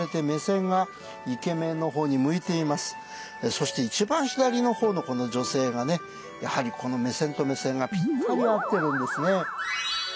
そして一番左の方のこの女性がねやはりこの目線と目線がぴったり合ってるんですね。